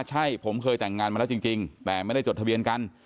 ใช่ผมเคยแต่งงานมาแล้วจริงแต่ไม่ได้จดทะเบียนกัน